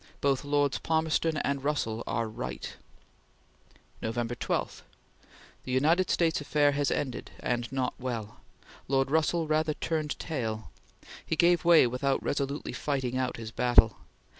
Both Lords Palmerston and Russell are right. Nov. 12. The United States affair has ended and not well. Lord Russell rather turned tail. He gave way without resolutely fighting out his battle.